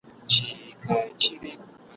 چړي حاکم سي پر بندیوان سي !.